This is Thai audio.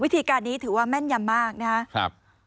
วิธีการนี้ถือว่าแม่นยำมากนะครับ